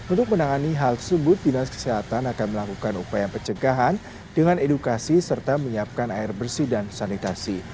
untuk menangani hal tersebut dinas kesehatan akan melakukan upaya pencegahan dengan edukasi serta menyiapkan air bersih dan sanitasi